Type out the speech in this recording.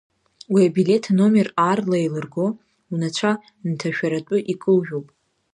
Уи абилеҭ аномер аарла еилырго, унацәа нҭашәаратәы икылжәоуп.